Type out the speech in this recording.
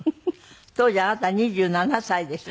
当時あなたは２７歳です。